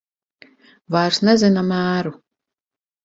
Vairs nezina mēru.